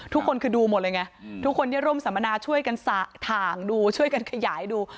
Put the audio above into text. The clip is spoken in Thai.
ทุกคนคือดูหมดเลยไงทุกคนที่ร่วมสัมมนาช่วยกันสระถ่างดูช่วยกันขยายดู